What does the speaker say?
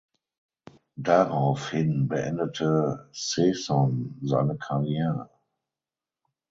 Darauf hin beendete Cecon seine Karriere.